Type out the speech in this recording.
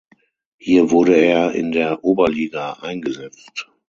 Hier wurde er in der Oberliga eingesetzt.